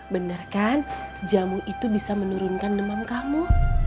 benar kan jamu itu bisa menurunkan demam kamu